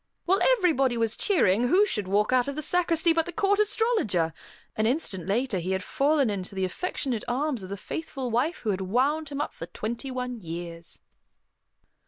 While everybody was cheering, who should walk out of the sacristy but the Court Astrologer! An instant later, he had fallen into the affectionate arms of the faithful wife who had wound him up for twenty one years.